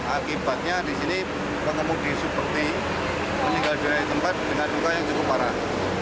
akibatnya di sini pengemudi seperti meninggal di tempat dengan luka yang cukup parah